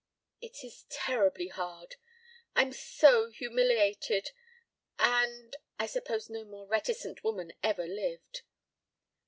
"It is terribly hard. I'm so humiliated and and I suppose no more reticent woman ever lived."